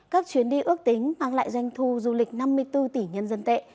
các chuyến đi ước tính mang lại doanh thu du lịch năm mươi bốn tỷ nhân dân tệ